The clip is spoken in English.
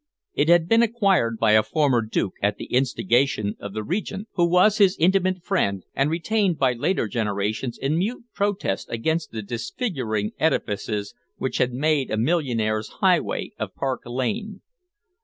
It had been acquired by a former duke at the instigation of the Regent, who was his intimate friend, and retained by later generations in mute protest against the disfiguring edifices which had made a millionaire's highway of Park Lane.